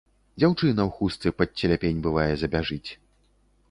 Дзяўчына ў хустцы пад целяпень, бывае, забяжыць.